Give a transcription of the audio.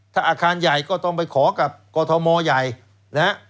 ถ้าอาคารใหญ่ก็ต้องไปขอกับกรทมใหญ่นะฮะ